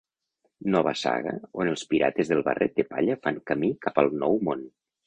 Nova Saga on els Pirates del Barret de Palla fan camí cap al Nou Món.